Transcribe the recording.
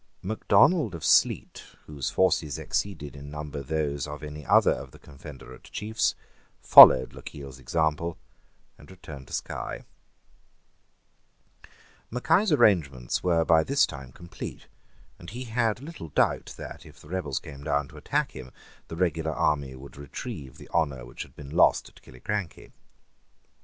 Macdonald of Sleat, whose forces exceeded in number those of any other of the confederate chiefs, followed Lochiel's example and returned to Sky, Mackay's arrangements were by this time complete; and he had little doubt that, if the rebels came down to attack him, the regular army would retrieve the honour which had been lost at Killiecrankie.